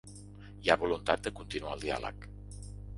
Hi ha voluntat de continuar el diàleg.